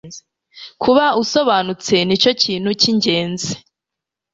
Kuba usobanutse nicyo kintu cyingenzi